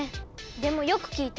でもよく聴いて。